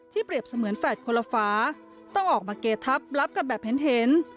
เปรียบเสมือนแฝดคนละฟ้าต้องออกมาเกทับรับกันแบบเห็น